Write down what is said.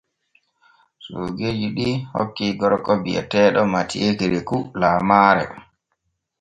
Soogeeji ɗi kokki gorko bi’eteeɗo MATHIEU KEREKOU laamaare.